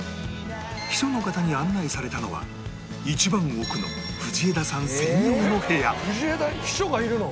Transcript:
秘書の方に案内されたのは一番奥の藤枝に秘書がいるの？